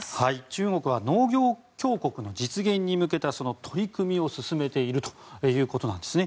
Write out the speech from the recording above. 中国は農業強国の実現に向けた取り組みを進めているということなんです。